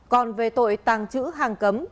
còn về tội tàng trữ hàng cấm